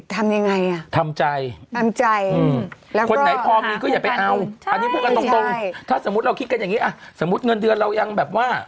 ตามร้านสะดวกซื้ออะไรแบบ